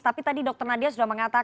tapi tadi dr nadia sudah mengatakan